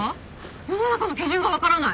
世の中の基準がわからない！